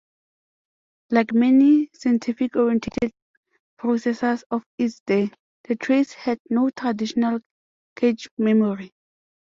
Like many scientific-oriented processors of its day, the Trace had no traditional cache memory.